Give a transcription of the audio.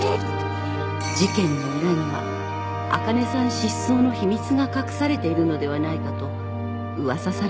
［事件の裏にはあかねさん失踪の秘密が隠されているのではないかと噂されました］